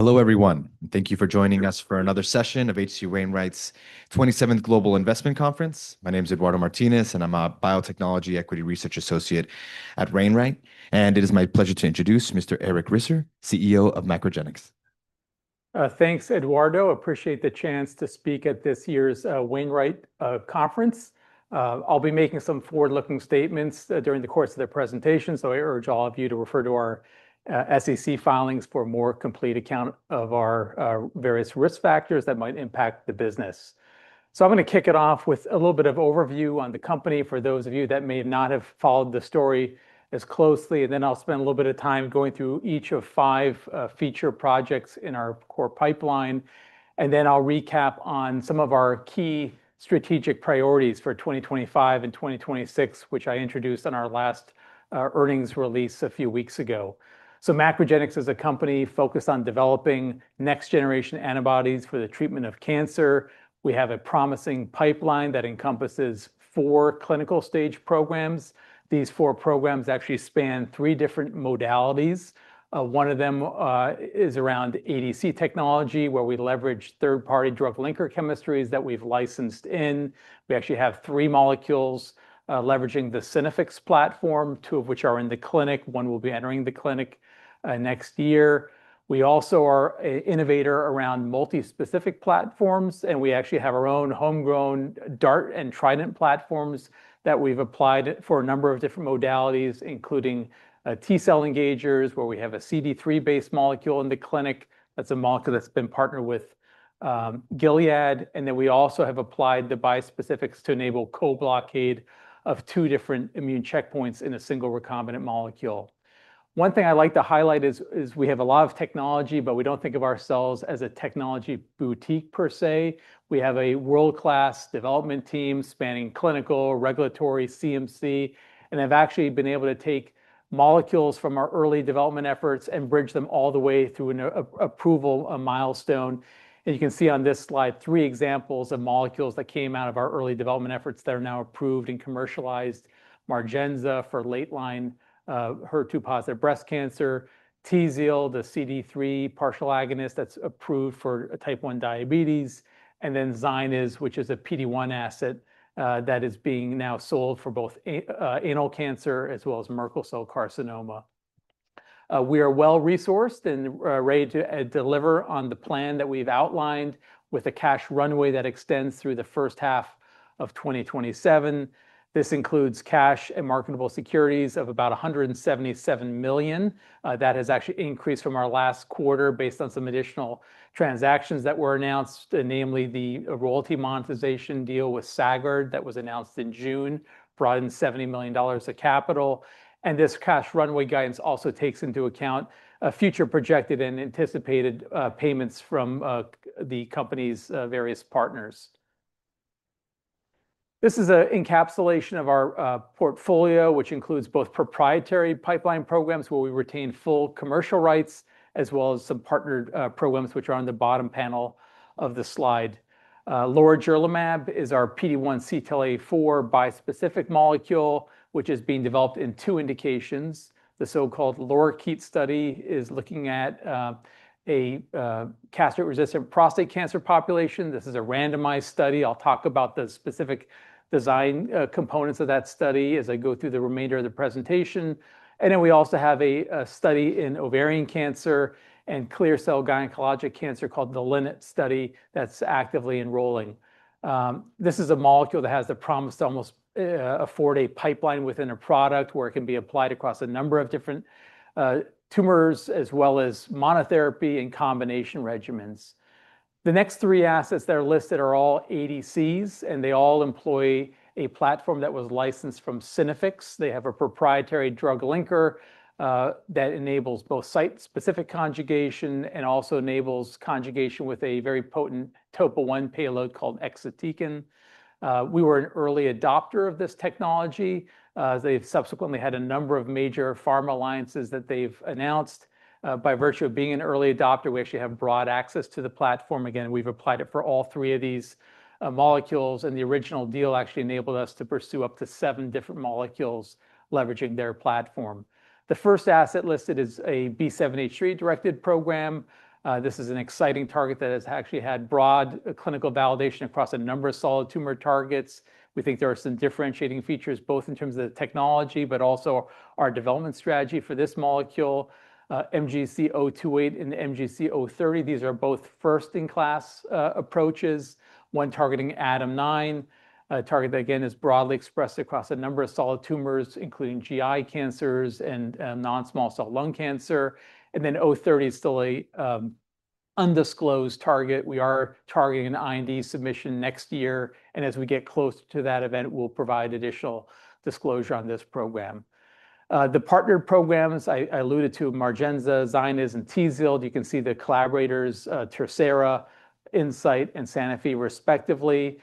Hello, everyone, and thank you for joining us for another session of H.C. Wainwright's 27th Global Investment Conference. My name is Eduardo Martinez, and I'm a Biotechnology Equity Research Associate at Wainwright It is my pleasure to introduce Mr. Eric Risser, CEO of MacroGenics. Thanks, Eduardo. I appreciate the chance to speak at this year's H.C. Wainwright conference. I'll be making some forward-looking statements during the course of the presentation, so I urge all of you to refer to our SEC filings for a more complete account of our various risk factors that might impact the business, so I'm going to kick it off with a little bit of overview on the company for those of you that may not have followed the story as closely, and then I'll spend a little bit of time going through each of five feature projects in our core pipeline, and then I'll recap on some of our key strategic priorities for 2025 and 2026, which I introduced on our last earnings release a few weeks ago, so MacroGenics is a company focused on developing next-generation antibodies for the treatment of cancer. We have a promising pipeline that encompasses four clinical stage programs. These four programs actually span three different modalities. One of them is around ADC technology, where we leverage third-party drug linker chemistries that we've licensed in. We actually have three molecules leveraging the Synaffix platform, two of which are in the clinic. One will be entering the clinic next year. We also are an innovator around multi-specific platforms, and we actually have our own homegrown DART and TRIDENT platforms that we've applied for a number of different modalities, including T-cell engagers, where we have a CD3-based molecule in the clinic. That's a molecule that's been partnered with Gilead. And then we also have applied the bispecifics to enable co-blockade of two different immune checkpoints in a single recombinant molecule. One thing I'd like to highlight is we have a lot of technology, but we don't think of ourselves as a technology boutique per se. We have a world-class development team spanning clinical, regulatory, CMC, and have actually been able to take molecules from our early development efforts and bridge them all the way through an approval milestone. And you can see on this slide three examples of molecules that came out of our early development efforts that are now approved and commercialized: Margenza for late-line HER2-positive breast cancer, Tzield, the CD3 partial agonist that's approved for type 1 diabetes, and then ZYNYZ, which is a PD-1 asset that is being now sold for both anal cancer as well as Merkel cell carcinoma. We are well-resourced and ready to deliver on the plan that we've outlined with a cash runway that extends through the first half of 2027. This includes cash and marketable securities of about $177 million. That has actually increased from our last quarter based on some additional transactions that were announced, namely the royalty monetization deal with Sagard that was announced in June, brought in $70 million of capital. This cash runway guidance also takes into account future projected and anticipated payments from the company's various partners. This is an encapsulation of our portfolio, which includes both proprietary pipeline programs where we retain full commercial rights, as well as some partnered programs which are on the bottom panel of the slide. Lorigerlimab is our PD-1 CTLA-4 bispecific molecule, which is being developed in two indications. The so-called LORIKEET study is looking at a castration-resistant prostate cancer population. This is a randomized study. I'll talk about the specific design components of that study as I go through the remainder of the presentation. Then we also have a study in ovarian cancer and clear cell gynecologic cancer called the LINNET study that's actively enrolling. This is a molecule that has the promise to almost afford a pipeline within a product where it can be applied across a number of different tumors, as well as monotherapy and combination regimens. The next three assets that are listed are all ADCs, and they all employ a platform that was licensed from Synaffix. They have a proprietary drug linker that enables both site-specific conjugation and also enables conjugation with a very potent TOPO1 payload called exatecan. We were an early adopter of this technology. They've subsequently had a number of major pharma alliances that they've announced. By virtue of being an early adopter, we actually have broad access to the platform. Again, we've applied it for all three of these molecules, and the original deal actually enabled us to pursue up to seven different molecules leveraging their platform. The first asset listed is a B7-H3-directed program. This is an exciting target that has actually had broad clinical validation across a number of solid tumor targets. We think there are some differentiating features both in terms of the technology, but also our development strategy for this molecule. MGC028 and MGC030, these are both first-in-class approaches, one targeting ADAM9, a target that, again, is broadly expressed across a number of solid tumors, including GI cancers and non-small cell lung cancer. And then 030 is still an undisclosed target. We are targeting an IND submission next year. And as we get closer to that event, we'll provide additional disclosure on this program. The partnered programs I alluded to: Margenza, ZYNYZ, and Tzield. You can see the collaborators, TerSera, Incyte, and Sanofi, respectively.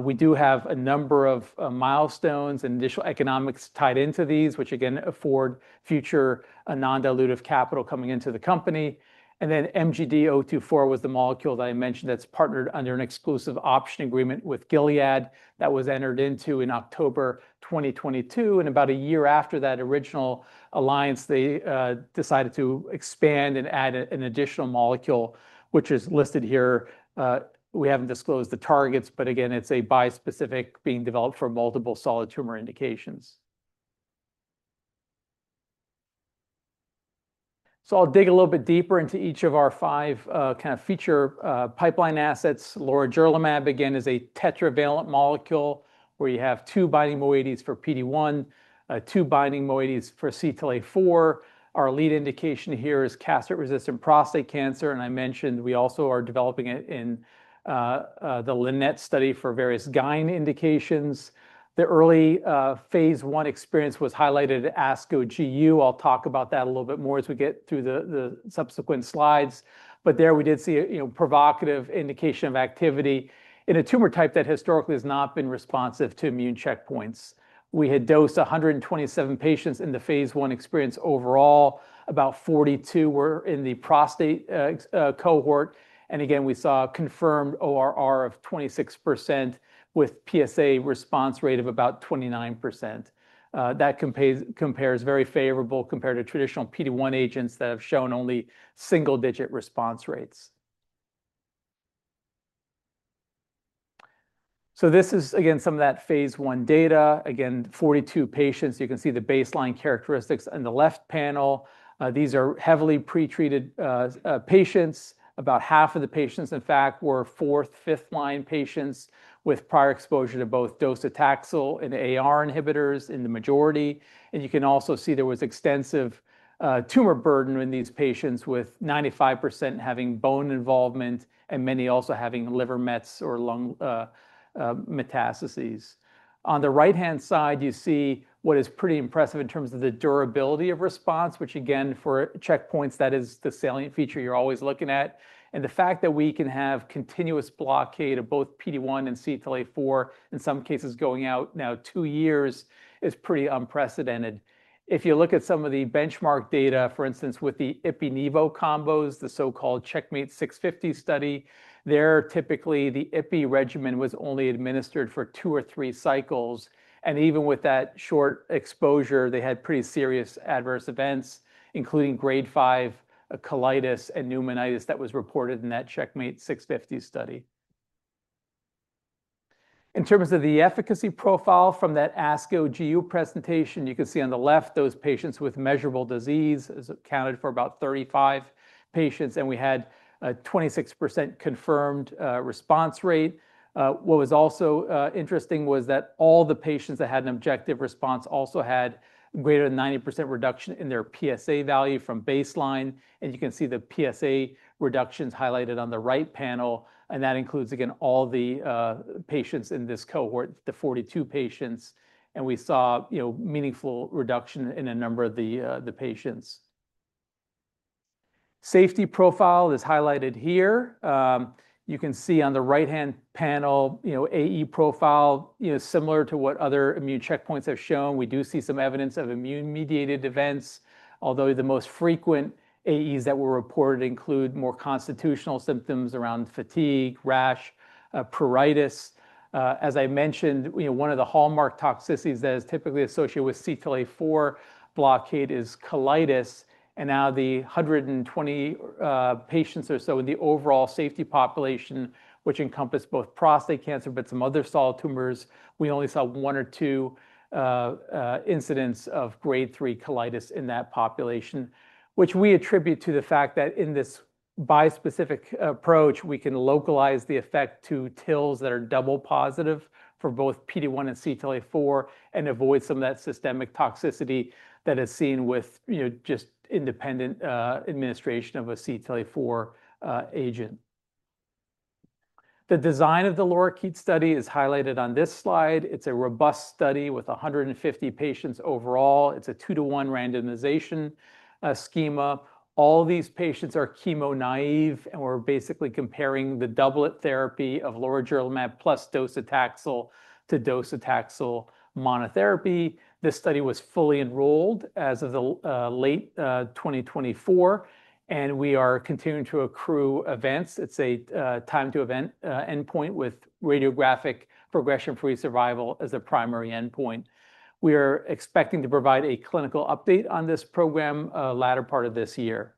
We do have a number of milestones and additional economics tied into these, which, again, afford future non-dilutive capital coming into the company. And then MGD024 was the molecule that I mentioned that's partnered under an exclusive option agreement with Gilead that was entered into in October 2022. And about a year after that original alliance, they decided to expand and add an additional molecule, which is listed here. We haven't disclosed the targets, but again, it's a bispecific being developed for multiple solid tumor indications. So I'll dig a little bit deeper into each of our five kind of feature pipeline assets. Lorigerlimab, again, is a tetravalent molecule where you have two binding moieties for PD-1, two binding moieties for CTLA-4. Our lead indication here is castration-resistant prostate cancer. I mentioned we also are developing it in the LINNET study for various GYN indications. The early phase I experience was highlighted at ASCO-GU. I'll talk about that a little bit more as we get through the subsequent slides. But there we did see a provocative indication of activity in a tumor type that historically has not been responsive to immune checkpoints. We had dosed 127 patients in the phase I experience overall. About 42 were in the prostate cohort. And again, we saw a confirmed ORR of 26% with PSA response rate of about 29%. That compares very favorable compared to traditional PD-1 agents that have shown only single-digit response rates. So this is, again, some of that phase I data. Again, 42 patients. You can see the baseline characteristics on the left panel. These are heavily pretreated patients. About half of the patients, in fact, were fourth, fifth-line patients with prior exposure to both docetaxel and AR inhibitors in the majority. And you can also see there was extensive tumor burden in these patients with 95% having bone involvement and many also having liver mets or lung metastases. On the right-hand side, you see what is pretty impressive in terms of the durability of response, which, again, for checkpoints, that is the salient feature you're always looking at. And the fact that we can have continuous blockade of both PD-1 and CTLA-4, in some cases going out now two years, is pretty unprecedented. If you look at some of the benchmark data, for instance, with the Ipi/Nivo combos, the so-called CheckMate 650 study, there typically the Ipi regimen was only administered for two or three cycles. Even with that short exposure, they had pretty serious adverse events, including Grade 5 colitis and pneumonitis that was reported in that CheckMate 650 study. In terms of the efficacy profile from that ASCO-GU presentation, you can see on the left those patients with measurable disease counted for about 35 patients, and we had a 26% confirmed response rate. What was also interesting was that all the patients that had an objective response also had greater than 90% reduction in their PSA value from baseline. You can see the PSA reductions highlighted on the right panel. That includes, again, all the patients in this cohort, the 42 patients. We saw meaningful reduction in a number of the patients. Safety profile is highlighted here. You can see on the right-hand panel, AE profile, similar to what other immune checkpoints have shown. We do see some evidence of immune-mediated events, although the most frequent AEs that were reported include more constitutional symptoms around fatigue, rash, pruritus. As I mentioned, one of the hallmark toxicities that is typically associated with CTLA-4 blockade is colitis, and now the 120 patients or so in the overall safety population, which encompassed both prostate cancer, but some other solid tumors, we only saw one or two incidents of Grade 3 colitis in that population, which we attribute to the fact that in this bispecific approach, we can localize the effect to TILs that are double positive for both PD-1 and CTLA-4 and avoid some of that systemic toxicity that is seen with just independent administration of a CTLA-4 agent. The design of the LORIKEET study is highlighted on this slide. It's a robust study with 150 patients overall. It's a two-to-one randomization schema. All these patients are chemo-naive, and we're basically comparing the doublet therapy of lorigerlimab plus docetaxel to docetaxel monotherapy. This study was fully enrolled as of late 2024, and we are continuing to accrue events. It's a time-to-event endpoint with radiographic progression-free survival as a primary endpoint. We are expecting to provide a clinical update on this program later part of this year.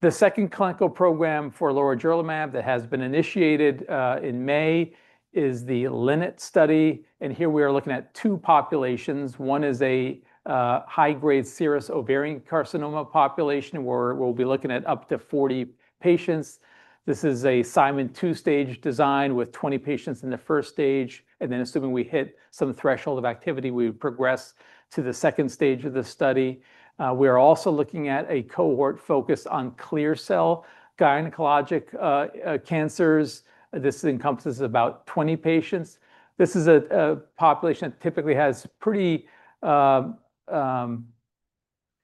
The second clinical program for lorigerlimab that has been initiated in May is the LINNET study, and here we are looking at two populations. One is a high-grade serous ovarian carcinoma population where we'll be looking at up to 40 patients. This is a Simon two-stage design with 20 patients in the first stage. And then assuming we hit some threshold of activity, we progress to the second stage of the study. We are also looking at a cohort focused on clear cell gynecologic cancers. This encompasses about 20 patients. This is a population that typically has pretty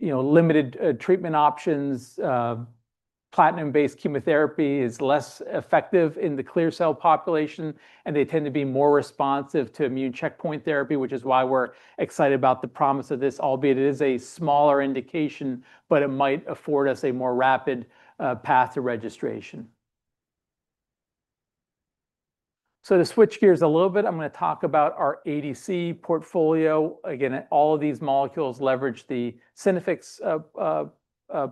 limited treatment options. Platinum-based chemotherapy is less effective in the clear cell population, and they tend to be more responsive to immune checkpoint therapy, which is why we're excited about the promise of this, albeit it is a smaller indication, but it might afford us a more rapid path to registration. So to switch gears a little bit, I'm going to talk about our ADC portfolio. Again, all of these molecules leverage the Synaffix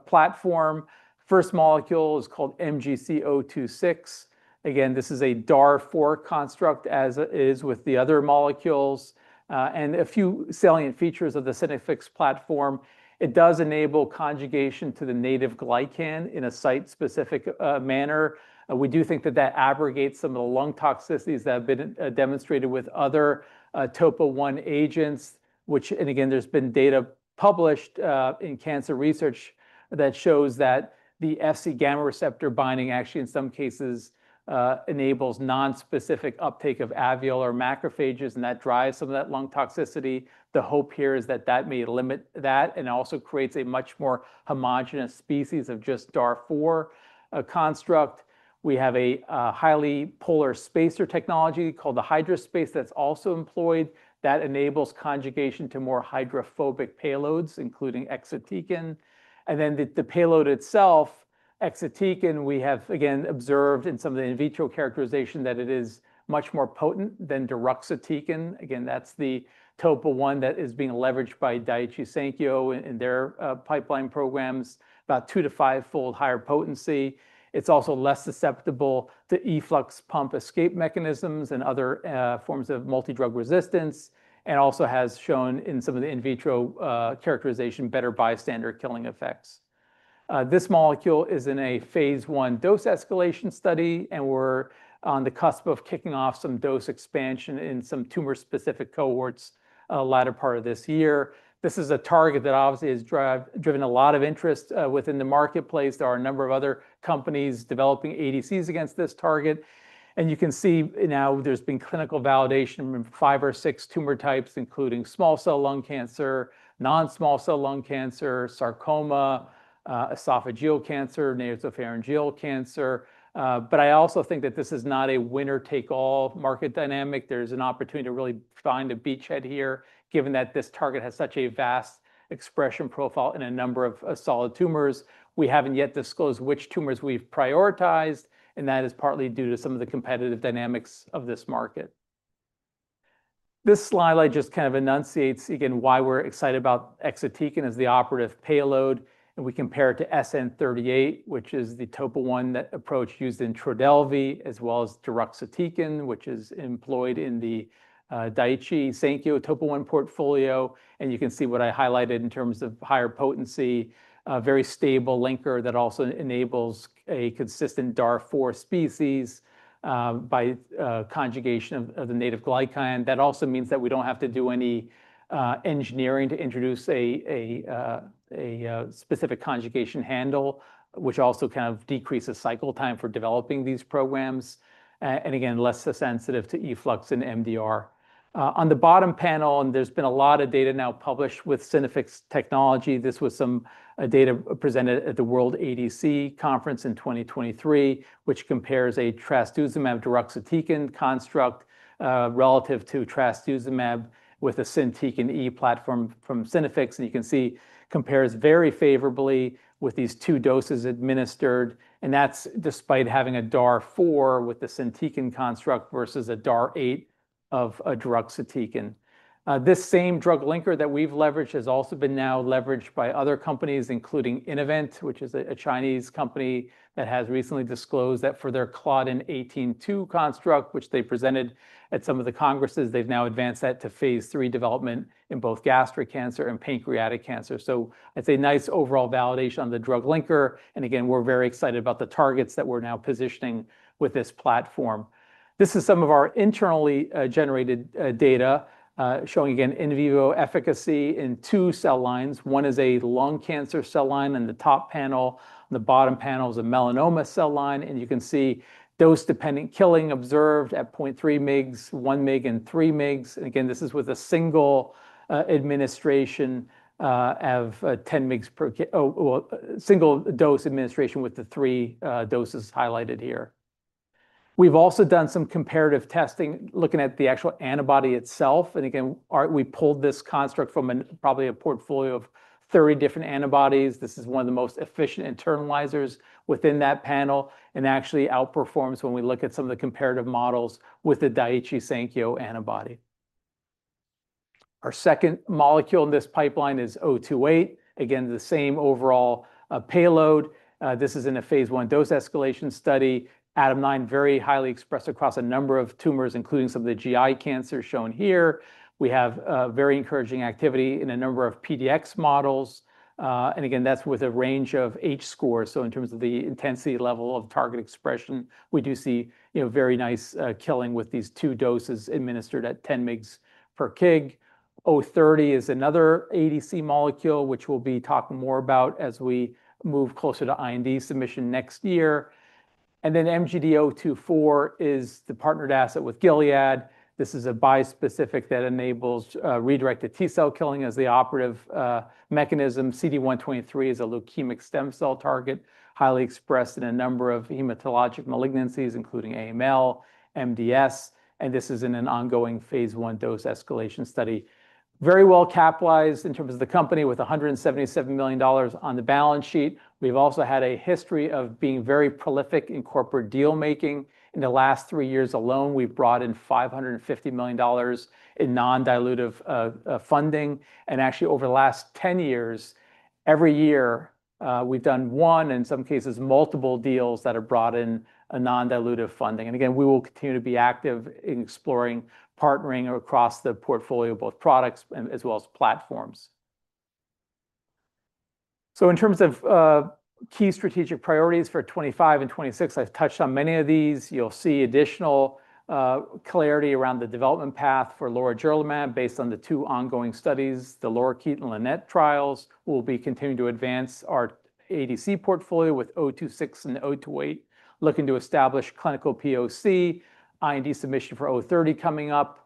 platform. First molecule is called MGC026. Again, this is a DAR4 construct as it is with the other molecules. And a few salient features of the Synaffix platform, it does enable conjugation to the native glycan in a site-specific manner. We do think that that abrogates some of the lung toxicities that have been demonstrated with other TOPO1 agents, which, and again, there's been data published in cancer research that shows that the Fc gamma receptor binding actually in some cases enables non-specific uptake of alveolar macrophages, and that drives some of that lung toxicity. The hope here is that that may limit that and also creates a much more homogenous species of just DAR4 construct. We have a highly polar spacer technology called the HydraSpace that's also employed. That enables conjugation to more hydrophobic payloads, including exatecan. And then the payload itself, exatecan, we have, again, observed in some of the in vitro characterization that it is much more potent than deruxtecan. Again, that's the TOPO1 that is being leveraged by Daiichi Sankyo in their pipeline programs, about two to five-fold higher potency. It's also less susceptible to efflux pump escape mechanisms and other forms of multi-drug resistance, and also has shown in some of the in vitro characterization better bystander killing effects. This molecule is in a phase I dose escalation study, and we're on the cusp of kicking off some dose expansion in some tumor-specific cohorts later part of this year. This is a target that obviously has driven a lot of interest within the marketplace. There are a number of other companies developing ADCs against this target, and you can see now there's been clinical validation in five or six tumor types, including small cell lung cancer, non-small cell lung cancer, sarcoma, esophageal cancer, nasopharyngeal cancer, but I also think that this is not a winner-take-all market dynamic. There's an opportunity to really find a beachhead here, given that this target has such a vast expression profile in a number of solid tumors. We haven't yet disclosed which tumors we've prioritized, and that is partly due to some of the competitive dynamics of this market. This slide I just kind of enunciates, again, why we're excited about exatecan as the operative payload. And we compare it to SN-38, which is the TOPO1 approach used in TRODELVY, as well as deruxtecan, which is employed in the Daiichi Sankyo TOPO1 portfolio. And you can see what I highlighted in terms of higher potency, a very stable linker that also enables a consistent DAR4 species by conjugation of the native glycan. That also means that we don't have to do any engineering to introduce a specific conjugation handle, which also kind of decreases cycle time for developing these programs. And again, less sensitive to efflux and MDR. On the bottom panel, and there's been a lot of data now published with Synaffix technology. This was some data presented at the World ADC Conference in 2023, which compares a trastuzumab deruxtecan construct relative to trastuzumab with a SYNtecan E platform from Synaffix. And you can see it compares very favorably with these two doses administered. And that's despite having a DAR4 with the SYNtecan construct versus a DAR8 of a deruxtecan. This same drug linker that we've leveraged has also been now leveraged by other companies, including Innovent, which is a Chinese company that has recently disclosed that for their Claudin 18.2 construct, which they presented at some of the congresses, they've now advanced that to phase III development in both gastric cancer and pancreatic cancer. So it's a nice overall validation on the drug linker. Again, we're very excited about the targets that we're now positioning with this platform. This is some of our internally generated data showing, again, in vivo efficacy in two cell lines. One is a lung cancer cell line in the top panel. The bottom panel is a melanoma cell line. You can see dose-dependent killing observed at 0.3 mg, 1 mg, and 3 mg. Again, this is with a single administration of 10 mg per single dose administration with the three doses highlighted here. We've also done some comparative testing looking at the actual antibody itself. Again, we pulled this construct from probably a portfolio of 30 different antibodies. This is one of the most efficient internalizers within that panel and actually outperforms when we look at some of the comparative models with the Daiichi Sankyo antibody. Our second molecule in this pipeline is 028. Again, the same overall payload. This is in a phase I dose escalation study. ADAM9 very highly expressed across a number of tumors, including some of the GI cancers shown here. We have very encouraging activity in a number of PDX models. And again, that's with a range of H scores. So in terms of the intensity level of target expression, we do see very nice killing with these two doses administered at 10 mg/kg. 030 is another ADC molecule, which we'll be talking more about as we move closer to IND submission next year. And then MGD024 is the partnered asset with Gilead. This is a bispecific that enables redirected T-cell killing as the operative mechanism. CD123 is a leukemic stem cell target, highly expressed in a number of hematologic malignancies, including AML, MDS. And this is in an ongoing phase I dose escalation study. Very well capitalized in terms of the company with $177 million on the balance sheet. We've also had a history of being very prolific in corporate deal-making. In the last three years alone, we've brought in $550 million in non-dilutive funding, and actually, over the last 10 years, every year, we've done one and in some cases multiple deals that have brought in non-dilutive funding, and again, we will continue to be active in exploring partnering across the portfolio, both products as well as platforms, so in terms of key strategic priorities for 2025 and 2026, I've touched on many of these. You'll see additional clarity around the development path for lorigerlimab based on the two ongoing studies, the LORIKEET and LINNET trials. We'll be continuing to advance our ADC portfolio with 026 and 028, looking to establish clinical POC, IND submission for 030 coming up.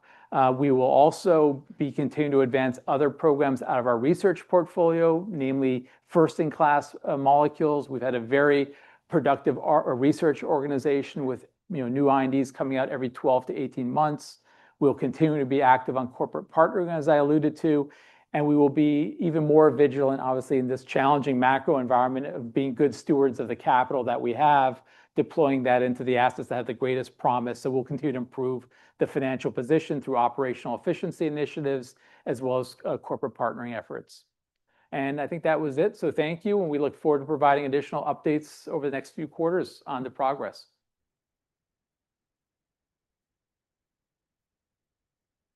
We will also be continuing to advance other programs out of our research portfolio, namely first-in-class molecules. We've had a very productive research organization with new INDs coming out every 12-18 months. We'll continue to be active on corporate partnering, as I alluded to, and we will be even more vigilant, obviously, in this challenging macro environment of being good stewards of the capital that we have, deploying that into the assets that have the greatest promise, so we'll continue to improve the financial position through operational efficiency initiatives as well as corporate partnering efforts, and I think that was it, so thank you, and we look forward to providing additional updates over the next few quarters on the progress.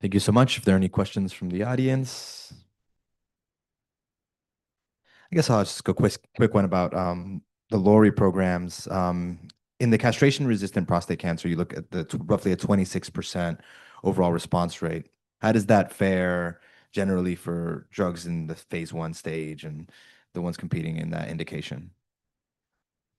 Thank you so much. If there are any questions from the audience, I guess I'll just go quick one about the LORI programs. In the castration-resistant prostate cancer, you look at roughly a 26% overall response rate. How does that fare generally for drugs in the phase I stage and the ones competing in that indication?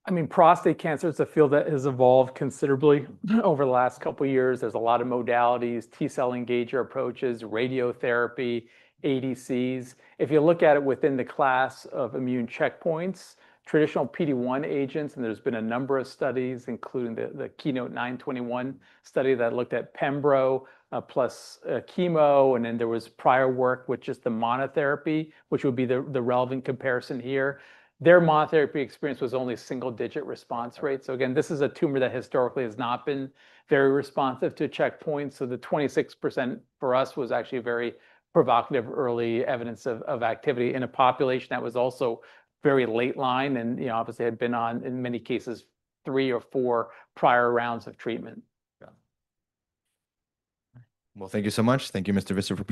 I mean, prostate cancer is a field that has evolved considerably over the last couple of years. There's a lot of modalities, T-cell engager approaches, radiotherapy, ADCs. If you look at it within the class of immune checkpoints, traditional PD-1 agents, and there's been a number of studies, including the KEYNOTE-921 study that looked at Pembro plus chemo. And then there was prior work with just the monotherapy, which would be the relevant comparison here. Their monotherapy experience was only a single-digit response rate. So again, this is a tumor that historically has not been very responsive to checkpoints. The 26% for us was actually very provocative early evidence of activity in a population that was also very late line and obviously had been on in many cases three or four prior rounds of treatment. Well, thank you so much. Thank you, Mr. Risser.